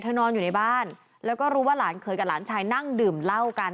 นอนอยู่ในบ้านแล้วก็รู้ว่าหลานเคยกับหลานชายนั่งดื่มเหล้ากัน